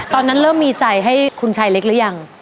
ตอนนั้นเริ่มมีใจให้คุณชายเล็กหรือยัง